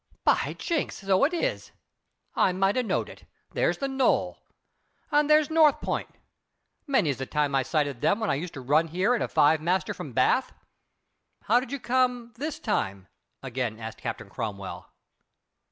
"By jinks, so it is. I might a knowed it. There's the Knoll. And there's North P'int. Many's the time I sighted them when I used to run here in a five master from Bath." "How did you come this time?" again asked Captain Cromwell.